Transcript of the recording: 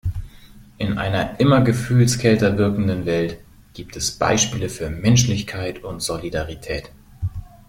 In einer immer gefühlskälter wirkenden Welt gibt es Beispiele für Menschlichkeit und Solidarität!